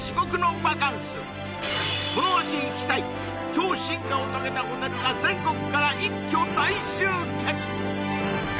この秋行きたい超進化を遂げたホテルが全国から一挙大集結！